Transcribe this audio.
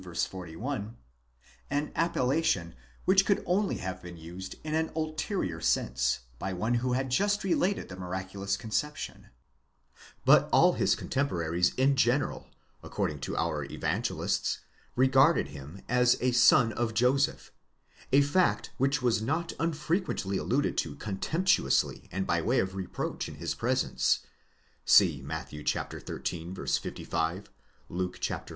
41),—an appellation which could only have been used in an ulterior sense by one who had just related the miraculous concep tion,—but all his contemporaries in general, according to our Evangelists, regarded him as a son of Joseph, a fact which was not unfrequently alluded to contemptuously and by way of reproach in his presence (Matt. xili. 55 ; Luke iv.